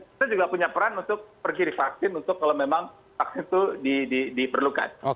kita juga punya peran untuk pergi di vaksin untuk kalau memang vaksin itu diperlukan